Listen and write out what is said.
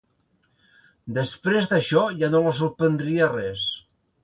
Després d'això ja no la sorprendria res!